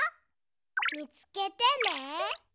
みつけてね。